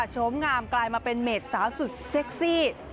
ชมงามกลายมาเป็นเมดสาวสุดเซ็กซี่